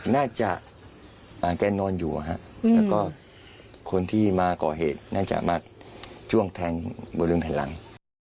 น่าจะแค่นอนอยู่คนที่มาก่อเหตุน่าจะมาจ้วงเทนบวนเรื่องทะลัง